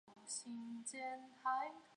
该建筑现时以旅馆形式运作。